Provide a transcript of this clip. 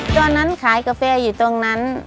ตอนนั้นขายกาแฟอยู่ตรงนั้น